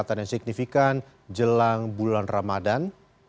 ini kata yang signifikan jelang bulan ramadan